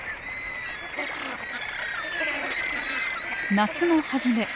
夏の初め。